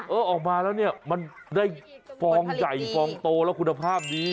เออออกมาแล้วเนี่ยมันได้ฟองใหญ่ฟองโตแล้วคุณภาพดี